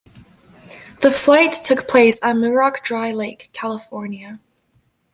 The flight took place at Muroc Dry Lake, California.